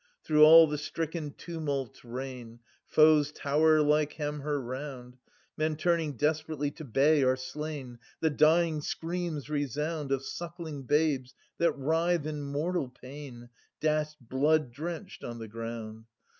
{Str. 3) Through all the stricken city tumults reign : Foes tower like hem her round : Men turning desperately to bay are slain : The dying screams resound Of suckling babes that writhe in mortal pain Dashed blood drenched on the ground.